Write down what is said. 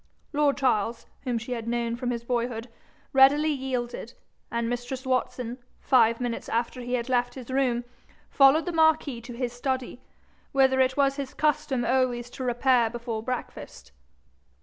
Lord Charles, whom she had known from his boyhood, readily yielded, and mistress Watson, five minutes after he had left his room, followed the marquis to his study, whither it was his custom always to repair before breakfast.